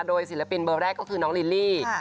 โดยศิลปินเบอร์แรกก็คือน้องลิลลี่